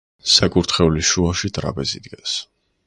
საკურთხევლის შუაში ტრაპეზი დგას.